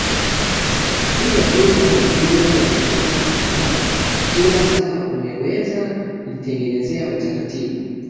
hii ya Buza ina jumla ya mitaa mitano na kila mtaa umeweza kujitengenezea taratibu